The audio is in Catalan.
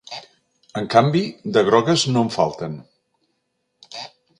En canvi, de grogues no en falten.